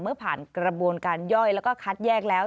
เมื่อผ่านกระบวนการย่อยแล้วก็คัดแยกแล้ว